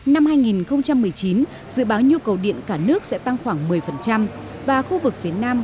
năm hai nghìn một mươi chín dự báo nhu cầu điện cả nước sẽ tăng khoảng một mươi và khu vực phía nam